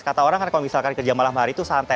kata orang kan kalau misalkan kerja malam hari itu santai